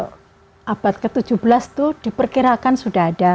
pada abad ke tujuh belas itu diperkirakan sudah ada